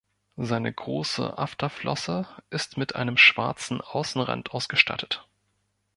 Seine große Afterflosse ist mit einem schwarzen Außenrand ausgestattet.